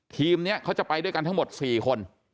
ทีมนี้เขาจะไปด้วยกันทั้งหมด๔คน